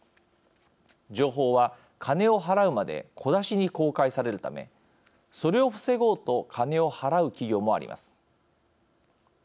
情報は、金を払うまで小出しに公開されるためそれを防ごうと金を払う企業もあります。